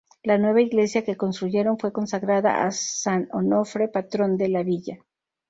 La nueva iglesia que construyeron fue consagrada a San Onofre, patrón de la villa.